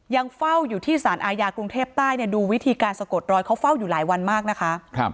ยังเฝ้าอยู่ที่สารอาญากรุงเทพใต้ดูวิธีการสะกดรอยเขาเฝ้าอยู่หลายวันมากนะคะ